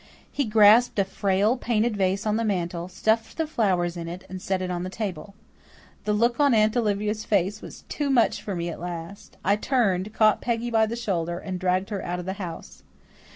He grasped a frail, painted vase on the mantel, stuffed the flowers in it, and set it on the table. The look on Aunt Olivia's face was too much for me at last. I turned, caught Peggy by the shoulder and dragged her out of the house.